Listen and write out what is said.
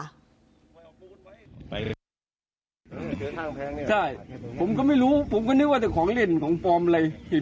เดี๋ยวทางแพงเลยใช่ผมก็ไม่รู้ผมก็นึกว่าจะของเล่นของปลอมอะไร